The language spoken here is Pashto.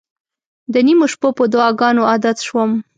د نیمو شپو په دعاګانو عادت شوم.